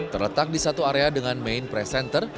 terletak di satu area dengan main press center